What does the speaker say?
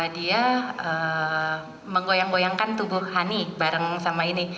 dia menggoyang goyangkan tubuh hanik bareng sama ini